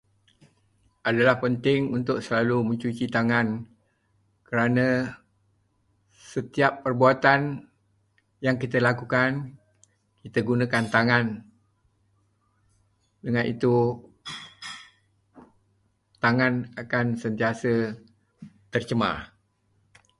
Adalah penting untuk selalu mencuci tangan, kerana setiap perbuatan yang kita lakukan kita gunakan tangan. Dengan itu, tangan akan sentiasa tercemar.